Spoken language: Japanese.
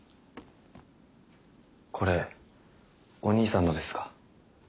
これお兄さんのですか？